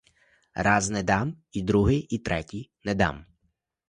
Раз не дам, і другий, і третій не дам!